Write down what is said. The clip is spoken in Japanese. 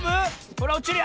ほらおちる。